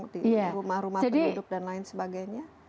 di rumah rumah penduduk dan lain sebagainya